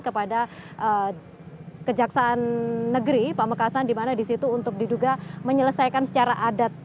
kepada kejaksaan negeri pamekasan di mana disitu untuk diduga menyelesaikan secara adat